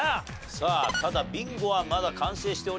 さあただビンゴはまだ完成しておりません。